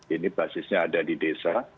ini basisnya ada di desa